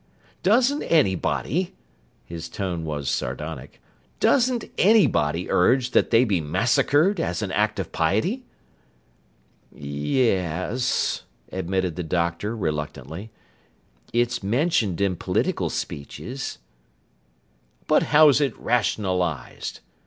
Doesn't anybody" his tone was sardonic "doesn't anybody urge that they be massacred as an act of piety?" "Yes s s s," admitted the doctor reluctantly. "It's mentioned in political speeches." "But how's it rationalized?"